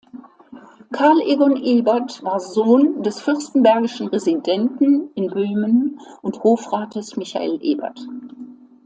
Karl Egon Ebert war Sohn des fürstenbergischen Residenten in Böhmen und Hofrates Michael Ebert.